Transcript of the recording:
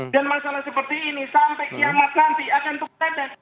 dan masalah seperti ini sampai kiamat nanti akan terpadat